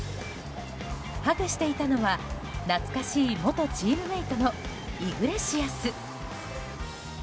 ハグしていたのは懐かしい元チームメートのイグレシアス。